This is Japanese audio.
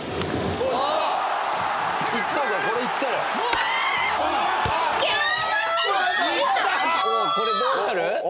おおこれどうなる？